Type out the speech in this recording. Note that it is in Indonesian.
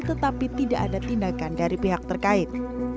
tetapi tidak ada tindakan dari pihak terkait